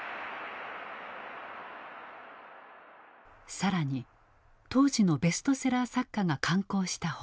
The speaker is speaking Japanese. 更に当時のベストセラー作家が刊行した本。